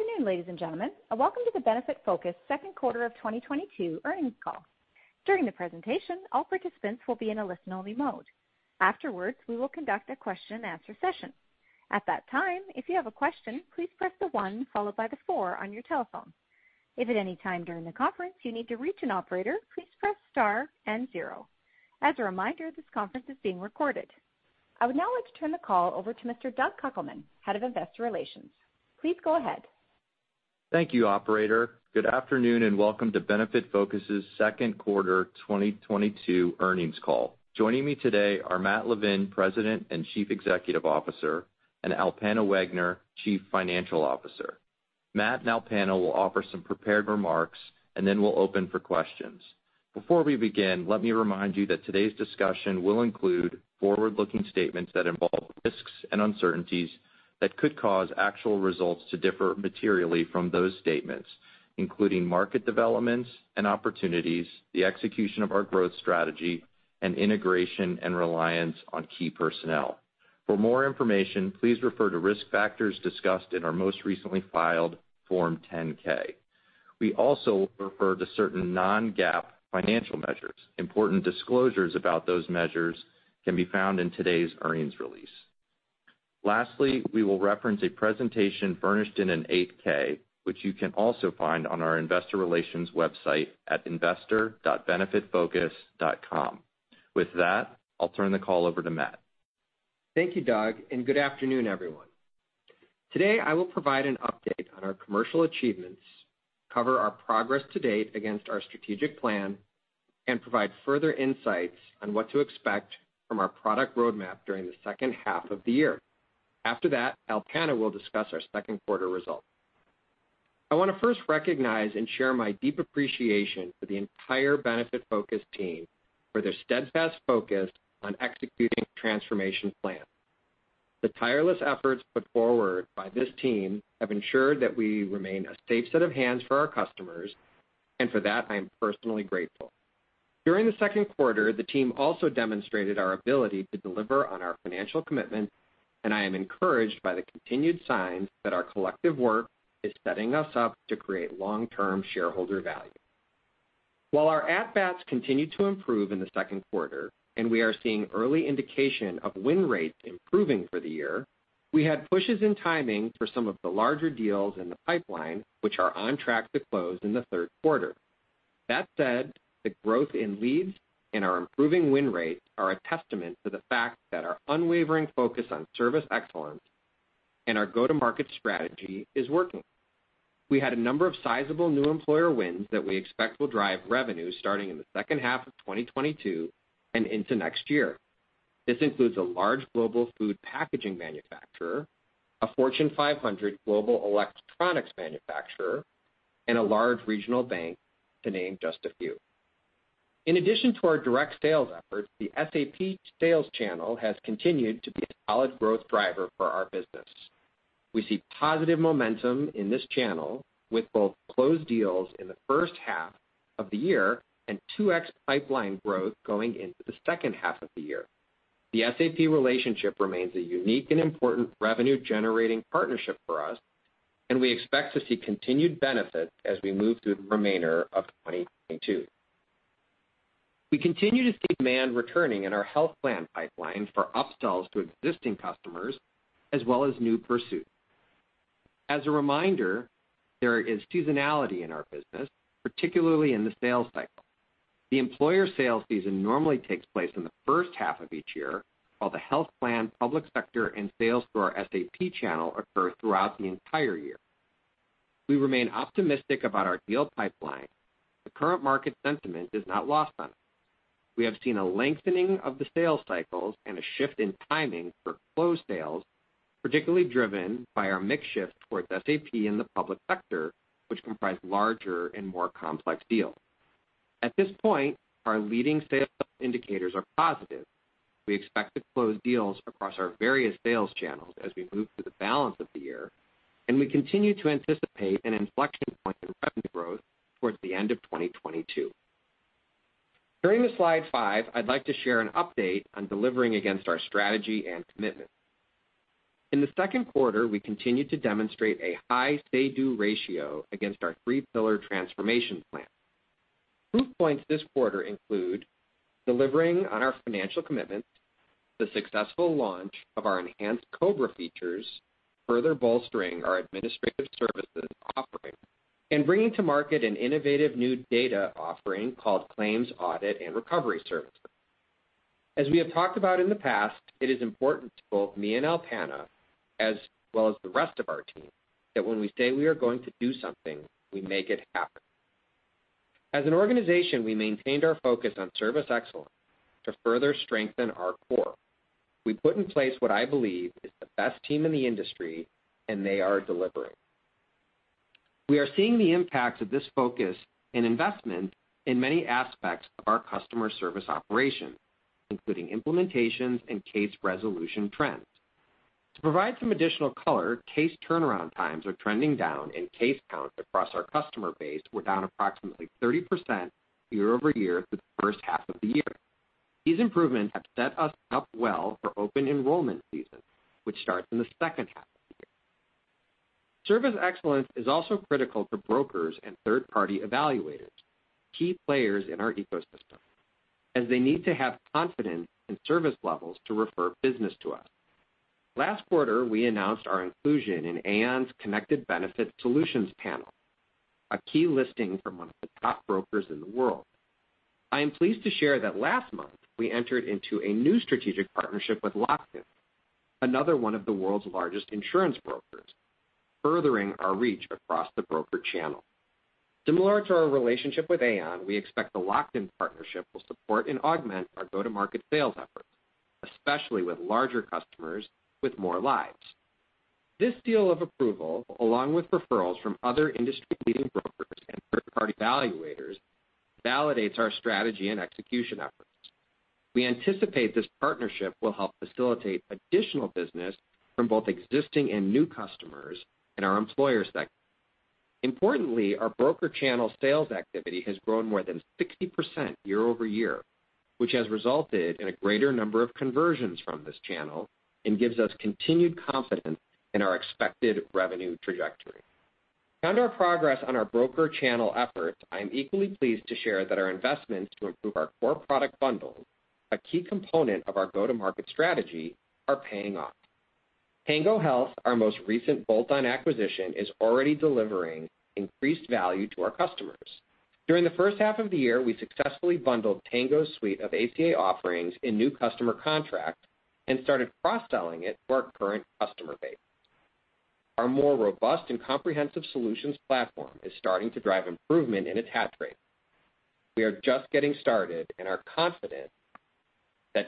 Good afternoon, ladies and gentlemen, and welcome to the Benefitfocus second quarter of 2022 earnings call. During the presentation, all participants will be in a listen-only mode. Afterwards, we will conduct a question-and-answer session. At that time, if you have a question, please press the one followed by the four on your telephone. If at any time during the conference you need to reach an operator, please press star and zero. As a reminder, this conference is being recorded. I would now like to turn the call over to Mr. Doug Kuckelman, Head of Investor Relations. Please go ahead. Thank you, operator. Good afternoon, and welcome to Benefitfocus's second quarter 2022 earnings call. Joining me today are Matt Levin, President and Chief Executive Officer, and Alpana Wegner, Chief Financial Officer. Matt and Alpana will offer some prepared remarks, and then we'll open for questions. Before we begin, let me remind you that today's discussion will include forward-looking statements that involve risks and uncertainties that could cause actual results to differ materially from those statements, including market developments and opportunities, the execution of our growth strategy, and integration and reliance on key personnel. For more information, please refer to risk factors discussed in our most recently filed Form 10-K. We also refer to certain non-GAAP financial measures. Important disclosures about those measures can be found in today's earnings release. Lastly, we will reference a presentation furnished in an 8-K, which you can also find on our investor relations website at investor.benefitfocus.com. With that, I'll turn the call over to Matt. Thank you, Doug, and good afternoon, everyone. Today, I will provide an update on our commercial achievements, cover our progress to date against our strategic plan, and provide further insights on what to expect from our product roadmap during the second half of the year. After that, Alpana will discuss our second quarter results. I wanna first recognize and share my deep appreciation for the entire Benefitfocus team for their steadfast focus on executing transformation plan. The tireless efforts put forward by this team have ensured that we remain a safe set of hands for our customers, and for that, I am personally grateful. During the second quarter, the team also demonstrated our ability to deliver on our financial commitments, and I am encouraged by the continued signs that our collective work is setting us up to create long-term shareholder value. While our at-bats continued to improve in the second quarter and we are seeing early indication of win rates improving for the year, we had pushes in timing for some of the larger deals in the pipeline, which are on track to close in the third quarter. That said, the growth in leads and our improving win rates are a testament to the fact that our unwavering focus on service excellence and our go-to-market strategy is working. We had a number of sizable new employer wins that we expect will drive revenue starting in the second half of 2022 and into next year. This includes a large global food packaging manufacturer, a Fortune 500 global electronics manufacturer, and a large regional bank, to name just a few. In addition to our direct sales efforts, the SAP sales channel has continued to be a solid growth driver for our business. We see positive momentum in this channel with both closed deals in the first half of the year and 2x pipeline growth going into the second half of the year. The SAP relationship remains a unique and important revenue-generating partnership for us, and we expect to see continued benefits as we move through the remainder of 2022. We continue to see demand returning in our health plan pipeline for upsells to existing customers, as well as new pursuit. As a reminder, there is seasonality in our business, particularly in the sales cycle. The employer sales season normally takes place in the first half of each year, while the health plan, public sector, and sales through our SAP channel occur throughout the entire year. We remain optimistic about our deal pipeline. The current market sentiment is not lost on us. We have seen a lengthening of the sales cycles and a shift in timing for closed sales, particularly driven by our mix shift towards SAP in the public sector, which comprise larger and more complex deals. At this point, our leading sales indicators are positive. We expect to close deals across our various sales channels as we move through the balance of the year, and we continue to anticipate an inflection point in revenue growth towards the end of 2022. During the slide five, I'd like to share an update on delivering against our strategy and commitment. In the second quarter, we continued to demonstrate a high say-do ratio against our three pillar transformation plan. Proof points this quarter include delivering on our financial commitments, the successful launch of our enhanced COBRA features, further bolstering our administrative services offering, and bringing to market an innovative new data offering called Claims Audit & Recovery Services. As we have talked about in the past, it is important to both me and Alpana, as well as the rest of our team, that when we say we are going to do something, we make it happen. As an organization, we maintained our focus on service excellence to further strengthen our core. We put in place what I believe is the best team in the industry, and they are delivering. We are seeing the impacts of this focus and investment in many aspects of our customer service operation, including implementations and case resolution trends. To provide some additional color, case turnaround times are trending down, and case counts across our customer base were down approximately 30% year-over-year for the first half of the year. These improvements have set us up well for open enrollment season, which starts in the second half of the year. Service excellence is also critical for brokers and third-party evaluators, key players in our ecosystem, as they need to have confidence in service levels to refer business to us. Last quarter, we announced our inclusion in Aon's Connected Benefits Solutions panel, a key listing from one of the top brokers in the world. I am pleased to share that last month, we entered into a new strategic partnership with Lockton, another one of the world's largest insurance brokers, furthering our reach across the broker channel. Similar to our relationship with Aon, we expect the Lockton partnership will support and augment our go-to-market sales efforts, especially with larger customers with more lives. This seal of approval, along with referrals from other industry-leading brokers and third-party evaluators, validates our strategy and execution efforts. We anticipate this partnership will help facilitate additional business from both existing and new customers in our employer sector. Importantly, our broker channel sales activity has grown more than 60% year-over-year, which has resulted in a greater number of conversions from this channel and gives us continued confidence in our expected revenue trajectory. With our progress on our broker channel effort, I am equally pleased to share that our investments to improve our core product bundle, a key component of our go-to-market strategy, are paying off. Tango Health, our most recent bolt-on acquisition, is already delivering increased value to our customers. During the first half of the year, we successfully bundled Tango's suite of ACA offerings in new customer contracts and started cross-selling it to our current customer base. Our more robust and comprehensive solutions platform is starting to drive improvement in attach rate. We are just getting started and are confident that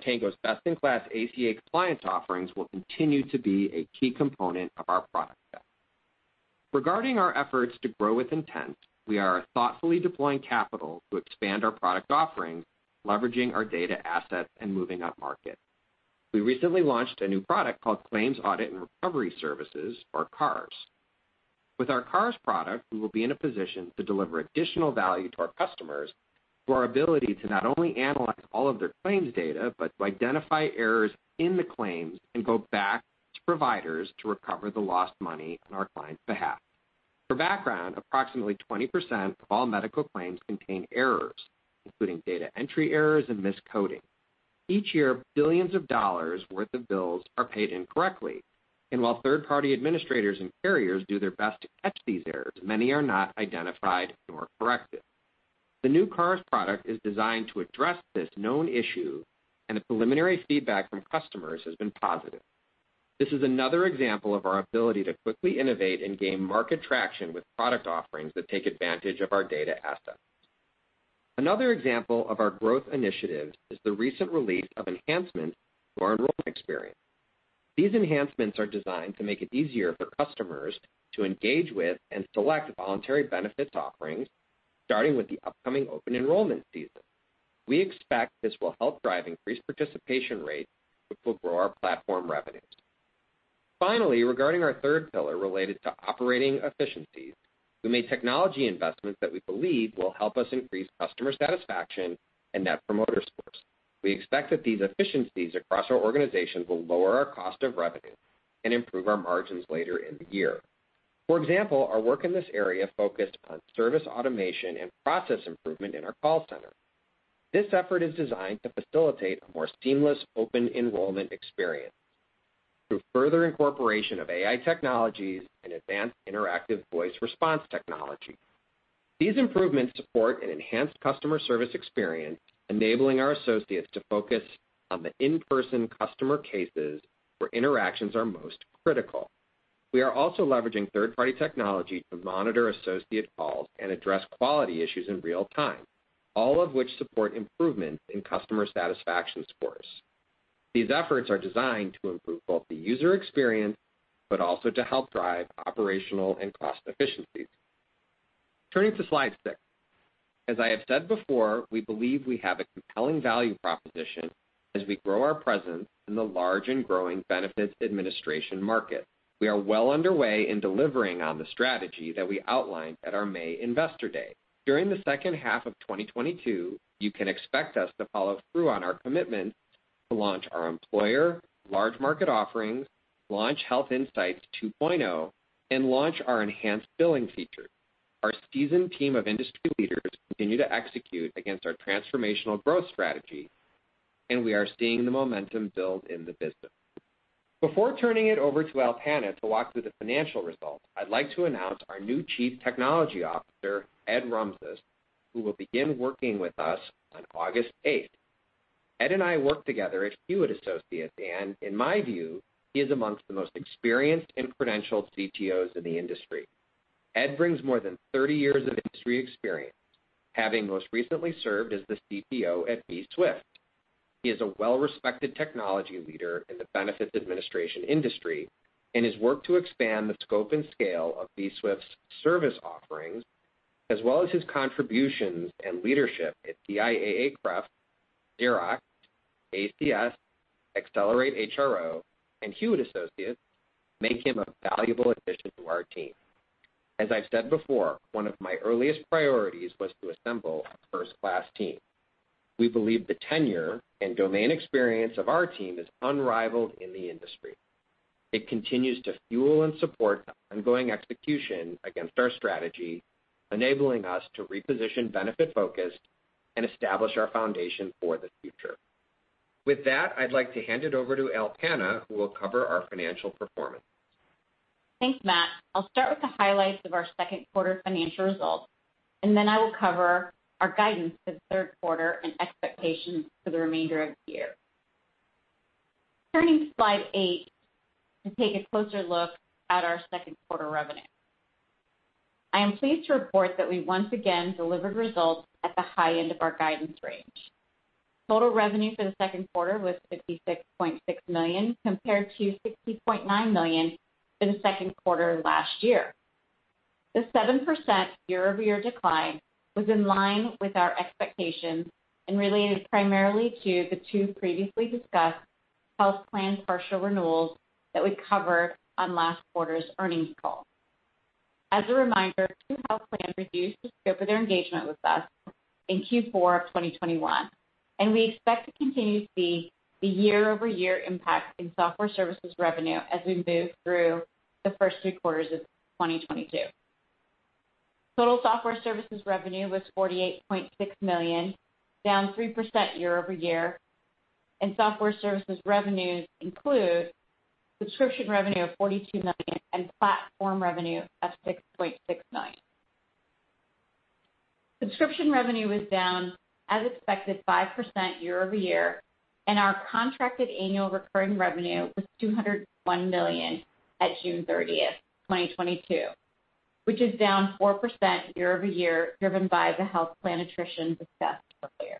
Tango's best-in-class ACA compliance offerings will continue to be a key component of our product set. Regarding our efforts to grow with intent, we are thoughtfully deploying capital to expand our product offerings, leveraging our data assets and moving upmarket. We recently launched a new product called Claims Audit & Recovery Services, or CARS. With our CARS product, we will be in a position to deliver additional value to our customers through our ability to not only analyze all of their claims data, but to identify errors in the claims and go back to providers to recover the lost money on our clients' behalf. For background, approximately 20% of all medical claims contain errors, including data entry errors and miscoding. Each year, billions of dollars worth of bills are paid incorrectly, and while third-party administrators and carriers do their best to catch these errors, many are not identified nor corrected. The new CARS product is designed to address this known issue, and the preliminary feedback from customers has been positive. This is another example of our ability to quickly innovate and gain market traction with product offerings that take advantage of our data assets. Another example of our growth initiatives is the recent release of enhancements to our enrollment experience. These enhancements are designed to make it easier for customers to engage with and select voluntary benefits offerings, starting with the upcoming open enrollment season. We expect this will help drive increased participation rates, which will grow our platform revenues. Finally, regarding our third pillar related to operating efficiencies, we made technology investments that we believe will help us increase customer satisfaction and net promoter scores. We expect that these efficiencies across our organization will lower our cost of revenue and improve our margins later in the year. For example, our work in this area focused on service automation and process improvement in our call center. This effort is designed to facilitate a more seamless open enrollment experience through further incorporation of AI technologies and advanced interactive voice response technology. These improvements support an enhanced customer service experience, enabling our associates to focus on the in-person customer cases where interactions are most critical. We are also leveraging third-party technology to monitor associate calls and address quality issues in real time, all of which support improvement in customer satisfaction scores. These efforts are designed to improve both the user experience, but also to help drive operational and cost efficiencies. Turning to slide six. As I have said before, we believe we have a compelling value proposition as we grow our presence in the large and growing benefits administration market. We are well underway in delivering on the strategy that we outlined at our May Investor Day. During the second half of 2022, you can expect us to follow through on our commitment to launch our employer large market offerings, launch Health Insights 2.0, and launch our enhanced billing feature. Our seasoned team of industry leaders continue to execute against our transformational growth strategy, and we are seeing the momentum build in the business. Before turning it over to Alpana to walk through the financial results, I'd like to announce our new Chief Technology Officer, Ed Rumzis, who will begin working with us on August 8th. Ed and I worked together at Hewitt Associates, and in my view, he is among the most experienced and credentialed CTOs in the industry. Ed brings more than 30 years of industry experience, having most recently served as the CTO at bswift. He is a well-respected technology leader in the benefits administration industry, and his work to expand the scope and scale of bswift's service offerings, as well as his contributions and leadership at TIAA-CREF, Xerox, ACS, ExcellerateHRO, and Hewitt Associates, make him a valuable addition to our team. As I've said before, one of my earliest priorities was to assemble a first-class team. We believe the tenure and domain experience of our team is unrivaled in the industry. It continues to fuel and support the ongoing execution against our strategy, enabling us to reposition Benefitfocus and establish our foundation for the future. With that, I'd like to hand it over to Alpana, who will cover our financial performance. Thanks, Matt. I'll start with the highlights of our second quarter financial results, and then I will cover our guidance for the third quarter and expectations for the remainder of the year. Turning to slide eight to take a closer look at our second quarter revenue. I am pleased to report that we once again delivered results at the high end of our guidance range. Total revenue for the second quarter was $56.6 million, compared to $60.9 million for the second quarter last year. The 7% year-over-year decline was in line with our expectations and related primarily to the two previously discussed health plan partial renewals that we covered on last quarter's earnings call. As a reminder, two health plans reduced the scope of their engagement with us in Q4 of 2021, and we expect to continue to see the year-over-year impact in Software Services revenue as we move through the first three quarters of 2022. Total Software Services revenue was $48.6 million, down 3% year-over-year, and Software Services revenues include subscription revenue of $42 million and platform revenue of $6.69 million. Subscription revenue was down as expected 5% year-over-year, and our contracted annual recurring revenue was $201 million at June 30th, 2022, which is down 4% year-over-year, driven by the health plan attritions discussed earlier.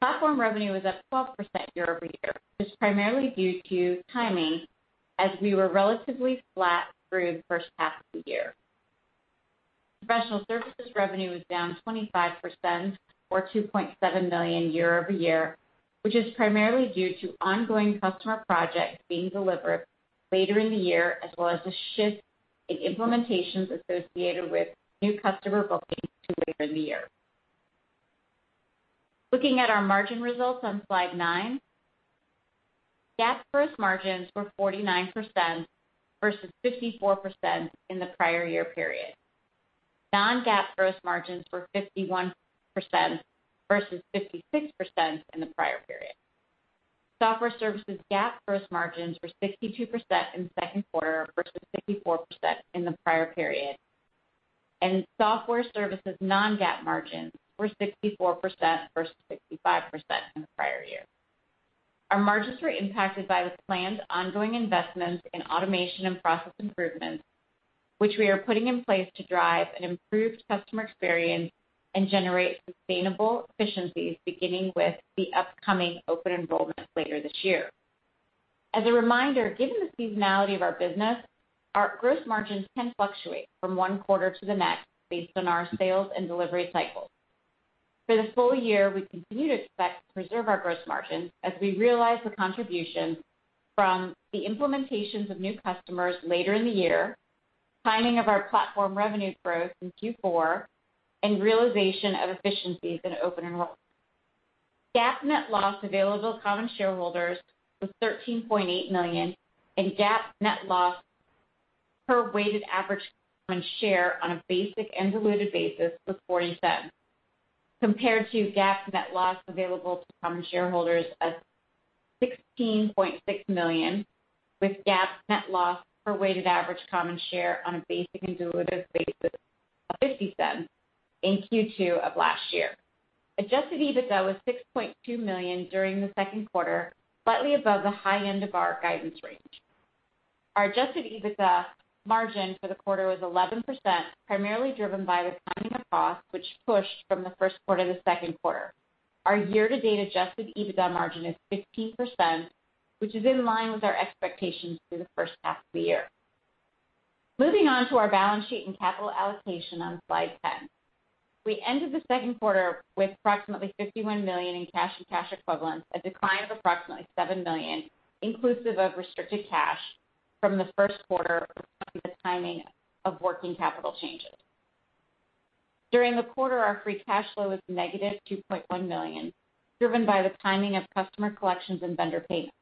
Platform revenue was up 12% year-over-year, which is primarily due to timing as we were relatively flat through the first half of the year. Professional Services revenue was down 25% or $2.7 million year-over-year, which is primarily due to ongoing customer projects being delivered later in the year as well as the shift in implementations associated with new customer bookings to later in the year. Looking at our margin results on slide nine. GAAP gross margins were 49% versus 54% in the prior year period. non-GAAP gross margins were 51% versus 56% in the prior period. Software Services GAAP gross margins were 62% in the second quarter versus 64% in the prior period. Software Services non-GAAP margins were 64% versus 65% in the prior year. Our margins were impacted by the planned ongoing investments in automation and process improvements, which we are putting in place to drive an improved customer experience and generate sustainable efficiencies, beginning with the upcoming open enrollment later this year. As a reminder, given the seasonality of our business, our gross margins can fluctuate from one quarter to the next based on our sales and delivery cycles. For the full year, we continue to expect to preserve our gross margins as we realize the contribution from the implementations of new customers later in the year, timing of our platform revenue growth in Q4, and realization of efficiencies in open enrollment. GAAP net loss available to common shareholders was $13.8 million, and GAAP net loss per weighted average common share on a basic and diluted basis was $0.40, compared to GAAP net loss available to common shareholders of $16.6 million, with GAAP net loss per weighted average common share on a basic and diluted basis of $0.50 in Q2 of last year. Adjusted EBITDA was $6.2 million during the second quarter, slightly above the high end of our guidance range. Our adjusted EBITDA margin for the quarter was 11%, primarily driven by the timing of costs which pushed from the first quarter to the second quarter. Our year-to-date adjusted EBITDA margin is 15%, which is in line with our expectations through the first half of the year. Moving on to our balance sheet and capital allocation on slide 10. We ended the second quarter with approximately $51 million in cash and cash equivalents, a decline of approximately $7 million, inclusive of restricted cash from the first quarter, reflecting the timing of working capital changes. During the quarter, our free cash flow was -$2.1 million, driven by the timing of customer collections and vendor payments.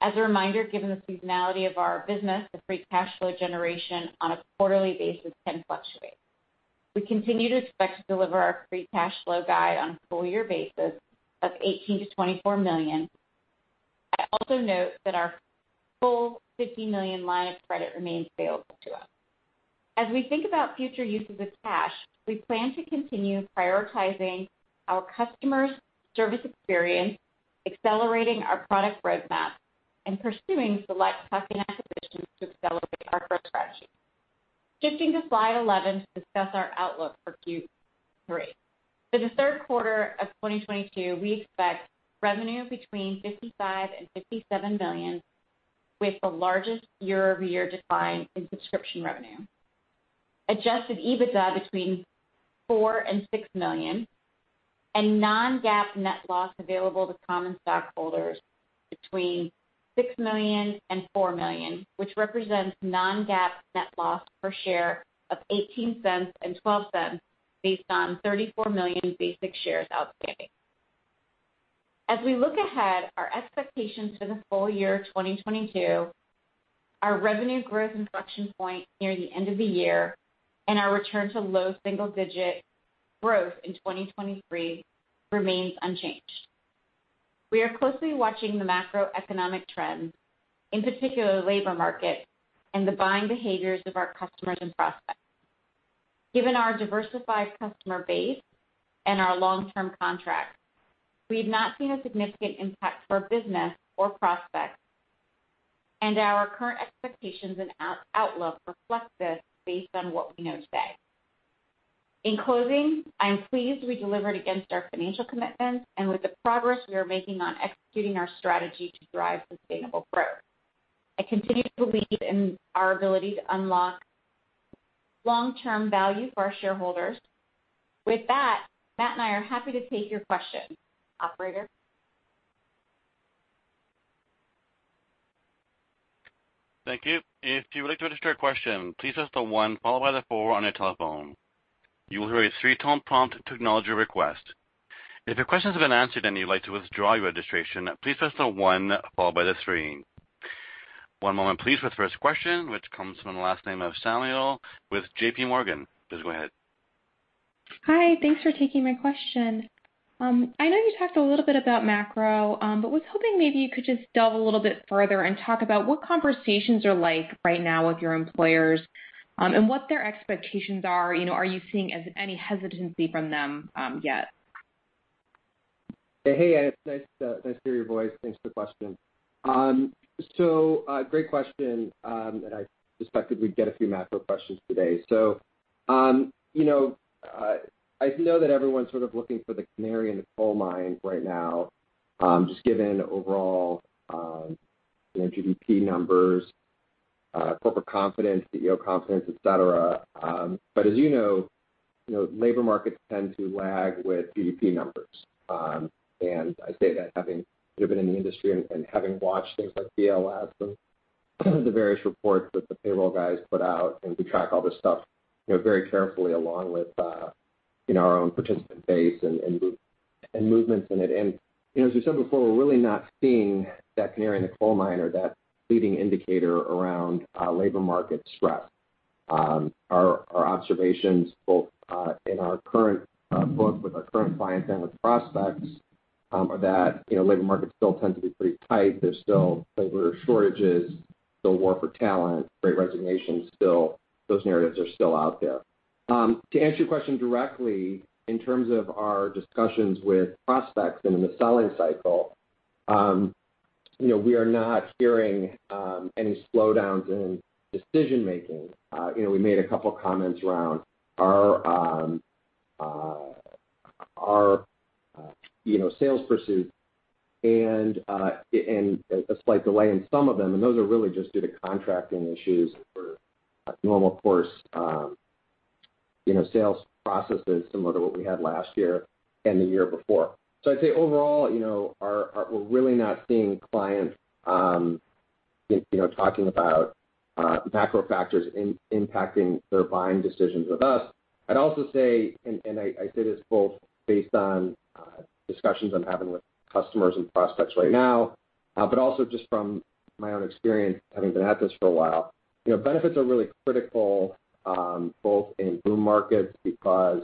As a reminder, given the seasonality of our business, the free cash flow generation on a quarterly basis can fluctuate. We continue to expect to deliver our free cash flow guide on a full year basis of $18 million-$24 million. I also note that our full $50 million line of credit remains available to us. As we think about future uses of cash, we plan to continue prioritizing our customer service experience, accelerating our product roadmap, and pursuing select tuck-in acquisitions to accelerate our growth strategy. Shifting to slide 11 to discuss our outlook for Q3. For the third quarter of 2022, we expect revenue between $55 million-$57 million, with the largest year-over-year decline in subscription revenue. adjusted EBITDA between $4 million-$6 million, and non-GAAP net loss available to common stockholders between $6 million and $4 million, which represents non-GAAP net loss per share of $0.18 and $0.12 based on 34 million basic shares outstanding. As we look ahead, our expectations for the full year 2022, our revenue growth inflection point near the end of the year and our return to low single-digit growth in 2023 remains unchanged. We are closely watching the macroeconomic trends, in particular labor market and the buying behaviors of our customers and prospects. Given our diversified customer base and our long-term contracts, we have not seen a significant impact to our business or prospects, and our current expectations and outlook reflect this based on what we know today. In closing, I am pleased we delivered against our financial commitments and with the progress we are making on executing our strategy to drive sustainable growth. I continue to believe in our ability to unlock long-term value for our shareholders. With that, Matt and I are happy to take your questions. Operator? Thank you. If you would like to register a question, please press the one followed by the four on your telephone. You will hear a three-tone prompt to acknowledge your request. If your question has been answered, and you'd like to withdraw your registration, please press the one followed by the three. One moment please for the first question, which comes from the line of Anne Samuel with JPMorgan. Please go ahead. Hi, thanks for taking my question. I know you talked a little bit about macro, but was hoping maybe you could just delve a little bit further and talk about what conversations are like right now with your employers, and what their expectations are. You know, are you seeing any hesitancy from them yet? Hey, nice to hear your voice. Thanks for the question. Great question, and I suspected we'd get a few macro questions today. You know, I know that everyone's sort of looking for the canary in the coal mine right now, just given overall, you know, GDP numbers, corporate confidence, CEO confidence, et cetera. As you know, you know, labor markets tend to lag with GDP numbers. I say that having lived in the industry and having watched things like BLS and the various reports that the payroll guys put out, and we track all this stuff, you know, very carefully along with you know, our own participant base and movements in it. You know, as we said before, we're really not seeing that canary in the coal mine or that leading indicator around labor market stress. Our observations both with our current clients and with prospects are that, you know, labor markets still tend to be pretty tight. There's still labor shortages, still war for talent, great resignations still. Those narratives are still out there. To answer your question directly, in terms of our discussions with prospects and in the selling cycle, you know, we are not hearing any slowdowns in decision-making. You know, we made a couple of comments around our sales pursuit and a slight delay in some of them, and those are really just due to contract issues in a normal course sales processes similar to what we had last year and the year before. I'd say overall, you know, we're really not seeing clients talking about macro factors impacting their buying decisions with us. I'd also say. I say this both based on discussions I'm having with customers and prospects right now, but also just from my own experience having been at this for a while. You know, benefits are really critical both in boom markets because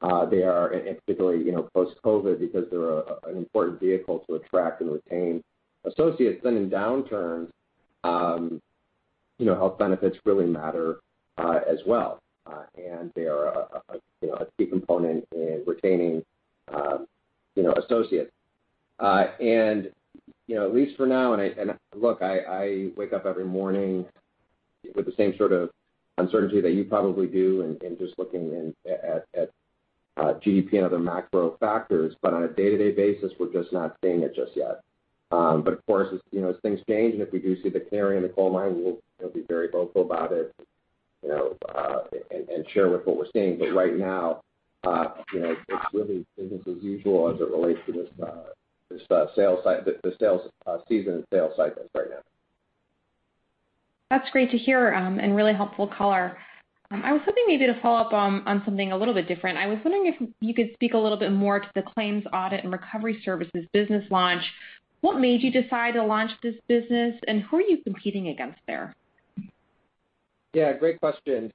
they are, and particularly, you know, post-COVID because they're an important vehicle to attract and retain associates. In downturns, you know, health benefits really matter as well. They are, you know, a key component in retaining, you know, associates. At least for now, look, I wake up every morning with the same sort of uncertainty that you probably do and just looking at GDP and other macro factors, but on a day-to-day basis, we're just not seeing it just yet. Of course, as you know, as things change, and if we do see the canary in the coal mine, we'll, you know, be very vocal about it, you know, and share with what we're seeing. Right now, you know, it's really business as usual as it relates to this sales season and sales cycles right now. That's great to hear, and really helpful color. I was hoping maybe to follow up on something a little bit different. I was wondering if you could speak a little bit more to the Claims Audit & Recovery Services business launch. What made you decide to launch this business, and who are you competing against there? Yeah, great question.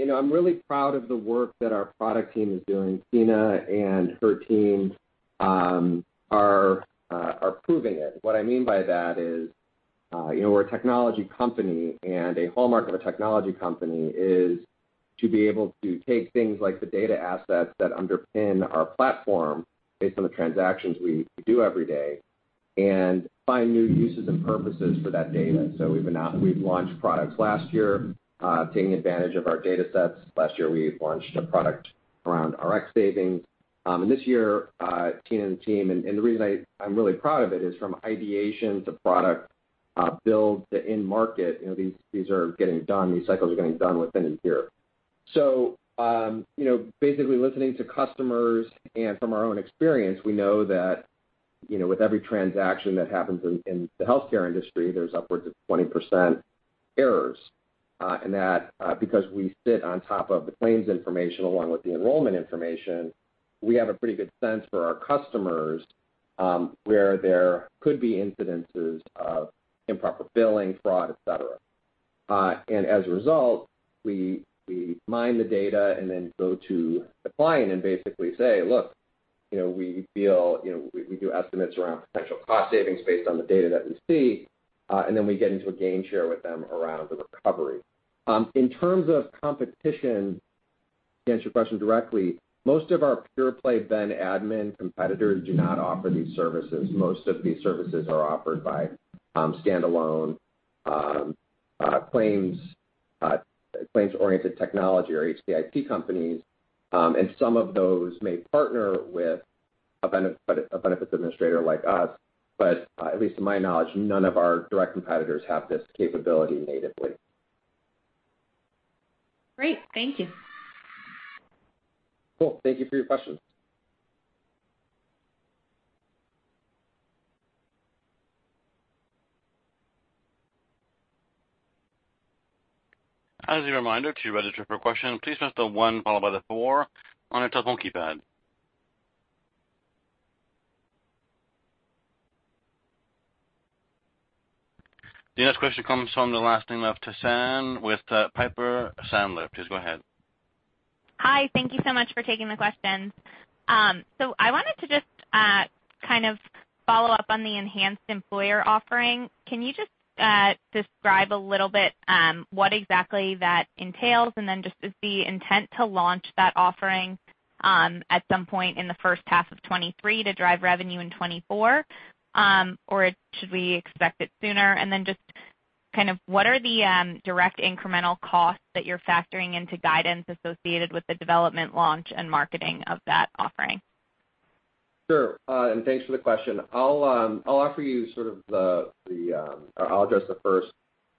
You know, I'm really proud of the work that our product team is doing. Tina and her team are proving it. What I mean by that is, you know, we're a technology company and a hallmark of a technology company is to be able to take things like the data assets that underpin our platform based on the transactions we do every day and find new uses and purposes for that data. We've launched products last year, taking advantage of our data sets. Last year, we launched a product around Rx Insights. And this year, Tina and the team, and the reason I'm really proud of it is from ideation to product, build to in market, you know, these are getting done, these cycles are getting done within a year. You know, basically listening to customers and from our own experience, we know that, you know, with every transaction that happens in the healthcare industry, there's upwards of 20% errors. Because we sit on top of the claims information along with the enrollment information, we have a pretty good sense for our customers where there could be incidences of improper billing, fraud, et cetera. As a result, we mine the data and then go to the client and basically say, "Look, you know, we feel, you know, we do estimates around potential cost savings based on the data that we see," and then we get into a gain share with them around the recovery. In terms of competition, to answer your question directly, most of our pure play benefits admin competitors do not offer these services. Most of these services are offered by standalone claims-oriented technology or HEDIS companies. Some of those may partner with a benefits administrator like us, but at least to my knowledge, none of our direct competitors have this capability natively. Great. Thank you. Cool. Thank you for your question. As a reminder, to register for a question, please press star one on your telephone keypad. The next question comes from the line of Kashy Harrison with Piper Sandler. Please go ahead. Hi. Thank you so much for taking the questions. I wanted to just kind of follow up on the enhanced employer offering. Can you just describe a little bit what exactly that entails? Is the intent to launch that offering at some point in the first half of 2023 to drive revenue in 2024 or should we expect it sooner? What are the direct incremental costs that you're factoring into guidance associated with the development launch and marketing of that offering? Sure. Thanks for the question. I'll address the first,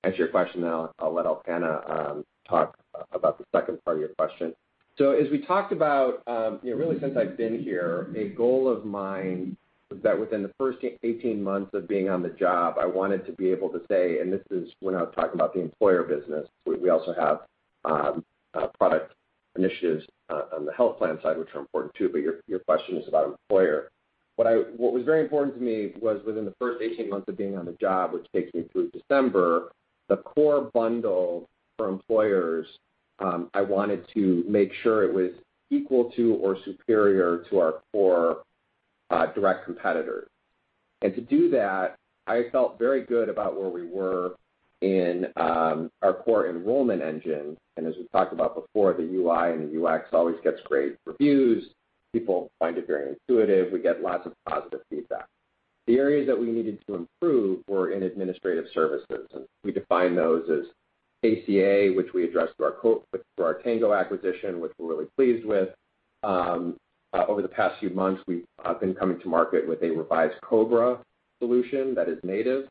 answer your question, then I'll let Alpana talk about the second part of your question. As we talked about, you know, really since I've been here, a goal of mine was that within the first 18 months of being on the job, I wanted to be able to say, and this is when I was talking about the employer business, we also have product initiatives on the health plan side, which are important too, but your question is about employer. What was very important to me was within the first 18 months of being on the job, which takes me through December, the core bundle for employers, I wanted to make sure it was equal to or superior to our core, direct competitor. To do that, I felt very good about where we were in, our core enrollment engine. As we've talked about before, the UI and the UX always gets great reviews. People find it very intuitive. We get lots of positive feedback. The areas that we needed to improve were in administrative services, and we define those as ACA, which we addressed through our Tango acquisition, which we're really pleased with. Over the past few months, we've been coming to market with a revised COBRA solution that is native.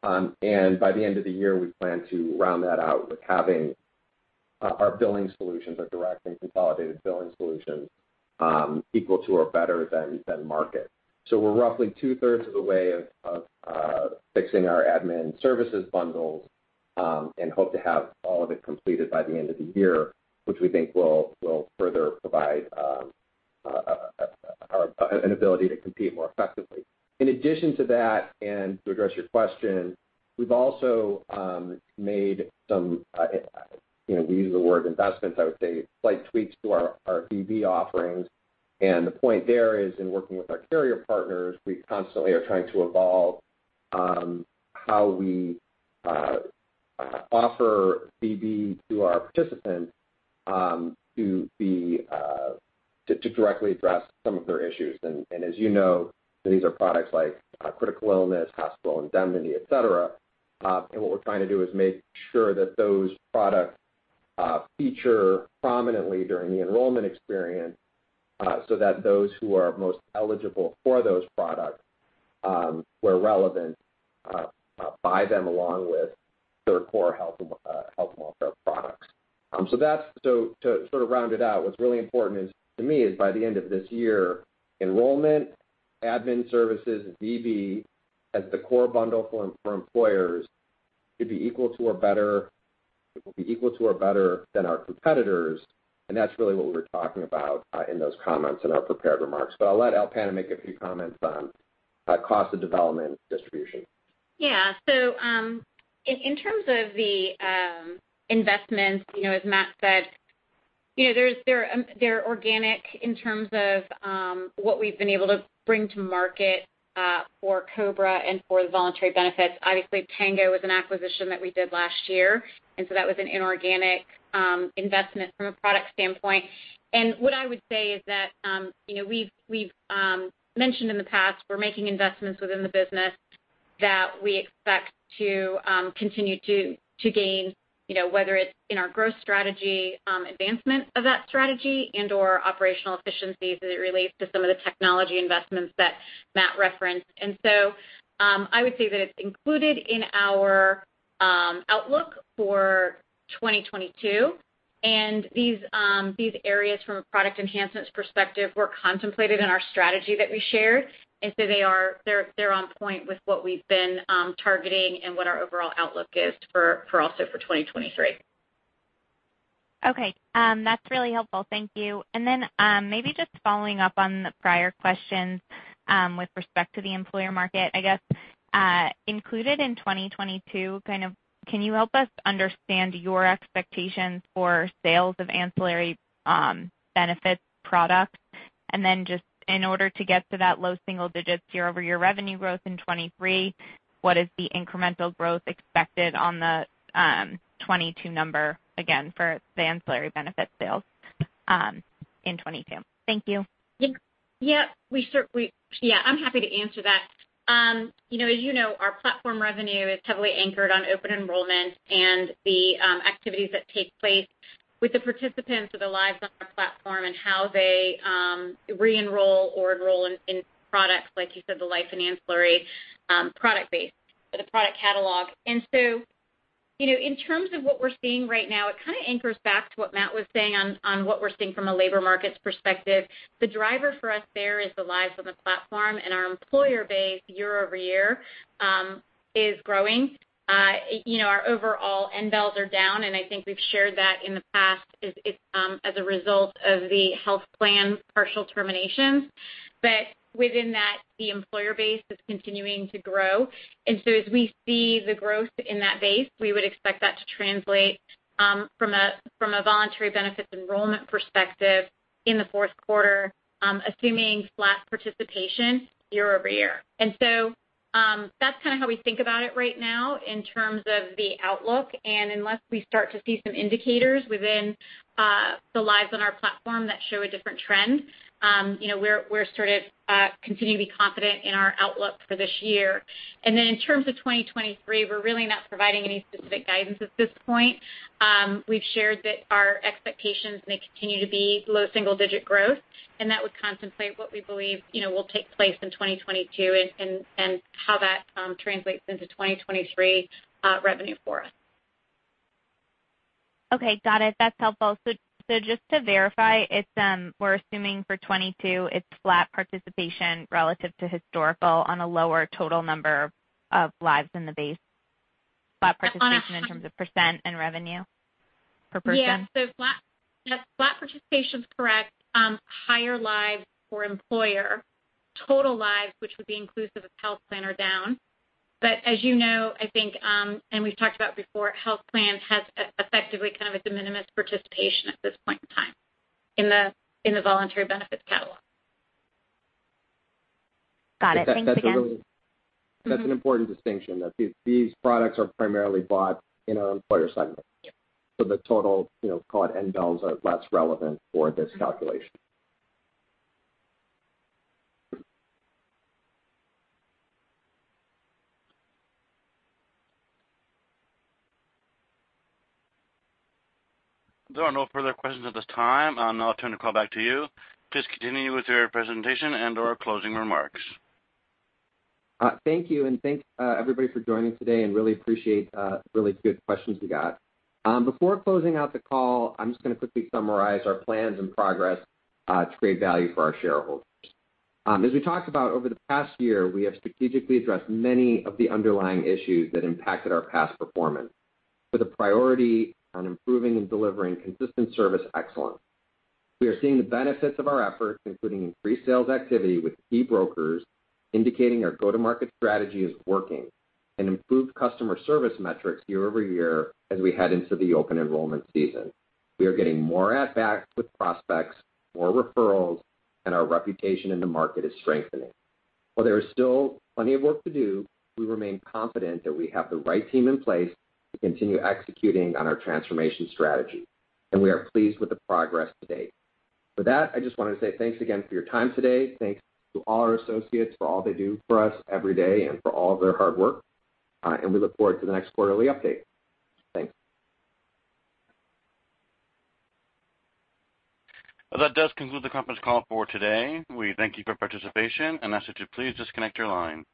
By the end of the year, we plan to round that out with having our billing solutions, our direct and consolidated billing solutions, equal to or better than market. We're roughly two-thirds of the way to fixing our admin services bundles and hope to have all of it completed by the end of the year, which we think will further provide an ability to compete more effectively. In addition to that, to address your question, we've also made some, you know, we use the word investments, I would say slight tweaks to our VB offerings. The point there is in working with our carrier partners, we constantly are trying to evolve how we offer VB to our participants to directly address some of their issues. As you know, these are products like critical illness, hospital indemnity, et cetera. What we're trying to do is make sure that those products feature prominently during the enrollment experience, so that those who are most eligible for those products, where relevant, buy them along with their core health and welfare products. To sort of round it out, what's really important is, to me, by the end of this year, enrollment, admin services, VB as the core bundle for employers could be equal to or better, it will be equal to or better than our competitors. That's really what we were talking about in those comments in our prepared remarks. I'll let Alpana make a few comments on cost of development and distribution. Yeah. In terms of the investments, you know, as Matt said, you know, they're organic in terms of what we've been able to bring to market for COBRA and for the voluntary benefits. Obviously, Tango was an acquisition that we did last year, and so that was an inorganic investment from a product standpoint. What I would say is that, you know, we've mentioned in the past we're making investments within the business that we expect to continue to gain, you know, whether it's in our growth strategy, advancement of that strategy and/or operational efficiencies as it relates to some of the technology investments that Matt referenced. I would say that it's included in our outlook for 2022, and these areas from a product enhancements perspective were contemplated in our strategy that we shared. They are on point with what we've been targeting and what our overall outlook is for 2023. Okay. That's really helpful. Thank you. Maybe just following up on the prior questions, with respect to the employer market. I guess, included in 2022, kind of can you help us understand your expectations for sales of ancillary benefits products? Just in order to get to that low single digits year-over-year revenue growth in 2023, what is the incremental growth expected on the 2022 number again for the ancillary benefit sales in 2022? Thank you. Yeah, I'm happy to answer that. You know, as you know, our platform revenue is heavily anchored on open enrollment and the activities that take place with the participants of the lives on our platform and how they re-enroll or enroll in products like you said, the life and ancillary product base or the product catalog. You know, in terms of what we're seeing right now, it kind of anchors back to what Matt was saying on what we're seeing from a labor markets perspective. The driver for us there is the lives on the platform and our employer base year-over-year is growing. You know, our overall enrolled lives are down, and I think we've shared that in the past is as a result of the health plan partial terminations. Within that, the employer base is continuing to grow. As we see the growth in that base, we would expect that to translate from a voluntary benefits enrollment perspective in the fourth quarter, assuming flat participation year-over-year. That's kind of how we think about it right now in terms of the outlook. Unless we start to see some indicators within the lives on our platform that show a different trend, you know, we're sort of continuing to be confident in our outlook for this year. In terms of 2023, we're really not providing any specific guidance at this point. We've shared that our expectations may continue to be low single-digit growth, and that would contemplate what we believe, you know, will take place in 2022 and how that translates into 2023 revenue for us. Okay. Got it. That's helpful. Just to verify, we're assuming for 2022, it's flat participation relative to historical on a lower total number of lives in the base, flat participation in terms of percent and revenue per person? Flat participation is correct. Higher lives for employer. Total lives, which would be inclusive of health plan, are down. As you know, I think, and we've talked about before, health plan has effectively kind of a de minimis participation at this point in time in the voluntary benefits catalog. Got it. Thanks again. That's an important distinction, that these products are primarily bought in an employer segment. The total, you know, call it enrolled lives, are less relevant for this calculation. There are no further questions at this time. I'll now turn the call back to you. Please continue with your presentation and/or closing remarks. Thank you, and thanks, everybody for joining today and really appreciate, really good questions we got. Before closing out the call, I'm just gonna quickly summarize our plans and progress, to create value for our shareholders. As we talked about over the past year, we have strategically addressed many of the underlying issues that impacted our past performance, with a priority on improving and delivering consistent service excellence. We are seeing the benefits of our efforts, including increased sales activity with key brokers, indicating our go-to-market strategy is working and improved customer service metrics year-over-year as we head into the open enrollment season. We are getting more at-bats with prospects, more referrals, and our reputation in the market is strengthening. While there is still plenty of work to do, we remain confident that we have the right team in place to continue executing on our transformation strategy, and we are pleased with the progress to date. For that, I just wanna say thanks again for your time today. Thanks to all our associates for all they do for us every day and for all of their hard work. We look forward to the next quarterly update. Thanks. That does conclude the conference call for today. We thank you for participation and ask that you please disconnect your line.